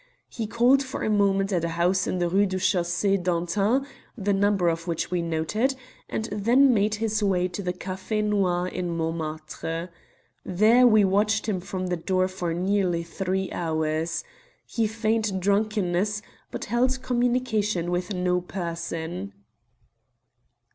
He called for a moment at a house in the Rue du Chaussée d'Antin, the number of which we noted, and then made his way to the Café Noir in Montmartre. There we watched him from the door for nearly three hours. He feigned drunkenness, but held communication with no person."